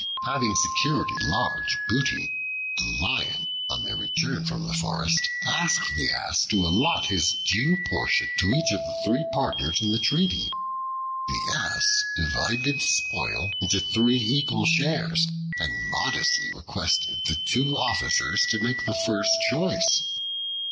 Having secured a large booty, the Lion on their return from the forest asked the Ass to allot his due portion to each of the three partners in the treaty. The Ass carefully divided the spoil into three equal shares and modestly requested the two others to make the first choice.